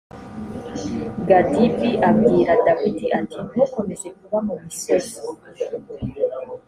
gadi b abwira dawidi ati ntukomeze kuba mu misozi